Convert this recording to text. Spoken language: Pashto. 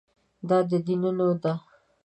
دا د دینونو ده.